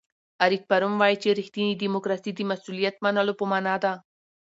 اریک فروم وایي چې ریښتینې دیموکراسي د مسؤلیت منلو په مانا ده.